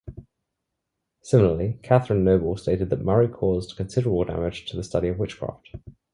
Similarly, Catherine Noble stated that "Murray caused considerable damage to the study of witchcraft".